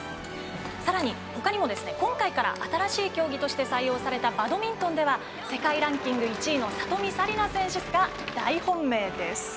さらに、ほかにも今回から新しい競技として採用されたバドミントンでは世界ランキング１位の里見紗李奈選手が大本命です。